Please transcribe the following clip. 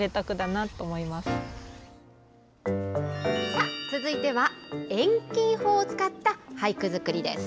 さあ、続いては、遠近法を使った俳句作りです。